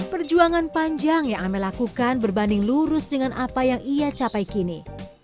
perjuangan panjang yang amel lakukan berbanding lurus dengan apa yang ia capai kini